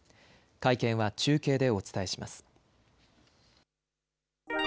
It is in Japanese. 会見は中継でお伝えします。